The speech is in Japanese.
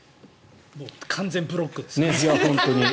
完全ブロックです。